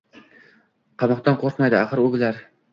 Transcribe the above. Qamoqdan qoʻrqmaydi, axir u bilar: